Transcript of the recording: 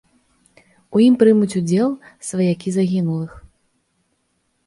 У ім прымуць удзел сваякі загінулых.